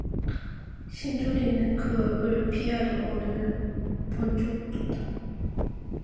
신철이는 그 얼굴을 피하려고 눈을 번쩍 떴다.